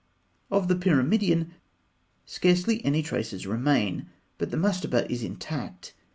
Of the pyramidion, scarcely any traces remain; but the mastaba is intact.